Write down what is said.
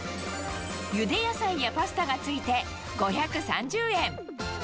ゆで野菜やパスタが付いて５３０円。